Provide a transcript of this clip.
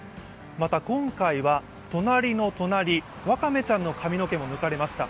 また今回は、隣の隣、ワカメちゃんの髪の毛も抜かれました。